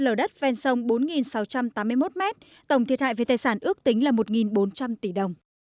lở đất ven sông bốn sáu trăm tám mươi một mét tổng thiệt hại về tài sản ước tính là một bốn trăm linh tỷ đồng à à à à ừ ừ